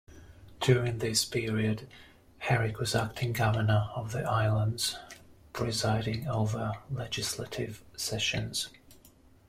During this period, Herrick was acting-Governor of the Islands, presiding over legislative sessions.